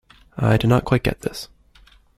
I did not get quite this.